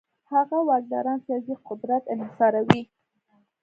هغه واکداران سیاسي قدرت انحصاروي.